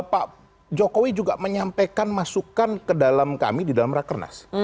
pak jokowi juga menyampaikan masukan ke dalam kami di dalam rakernas